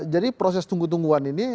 jadi proses tunggu tungguan ini